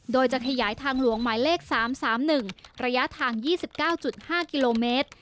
โดยจะขยายทางหลวงหมายเลข๓๓๑ระยะทาง๒๙๕กิโลเมตร